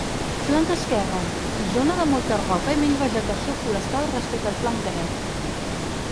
Flanc esquerre, zona de molta roca i menys vegetació forestal respecte el flanc dret.